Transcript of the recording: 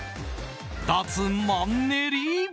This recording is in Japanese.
脱マンネリ！